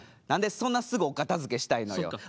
何でそんなすぐお片づけしたいのよ。